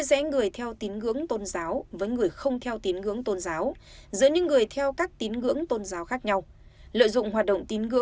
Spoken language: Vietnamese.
xin kính chào tạm biệt và hẹn gặp lại